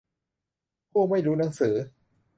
ผู้ไม่รู้หนังสือ